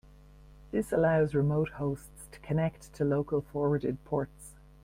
This allows remote hosts to connect to local forwarded ports.